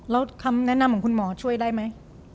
แล้วคำแนะนำของคุณหมอช่วยได้ไหม